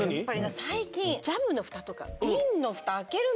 最近ジャムのふたとか。